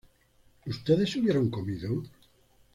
¿Ustedes hubieron comido?